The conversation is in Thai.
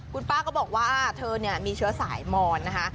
คุณป้าก็บอกว่าเธอเนี่ยมีเชื้อสายมอนนะคะ